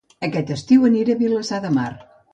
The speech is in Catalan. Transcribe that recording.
Aquest estiu aniré a Vilassar de Mar